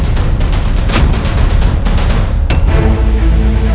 tidak ada masalah